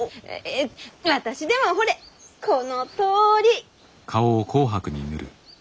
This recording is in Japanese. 私でもほれこのとおり。